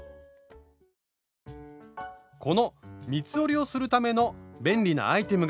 この三つ折りをするための便利なアイテムがあるんですよね